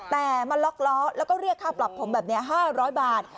แต่มาล็อกล้อแล้วก็เรียกค่าปรับผมแบบนี้๕๐๐บาท